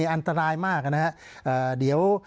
อันตรายมากนะครับ